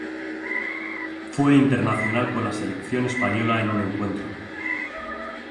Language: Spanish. Fue internacional con la selección española en un encuentro.